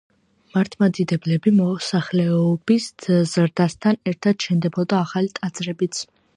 მართლმადიდებელი მოსახლეობის ზრდასთან ერთად შენდებოდა ახალი ტაძრებიც.